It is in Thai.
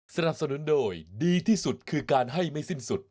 สนับสนุนโดยดีที่สุดคือการให้ไม่สิ้นสุด